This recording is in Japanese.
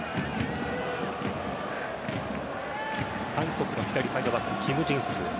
韓国の左サイドバックキム・ジンス。